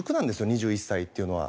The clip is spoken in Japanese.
２１歳っていうのは。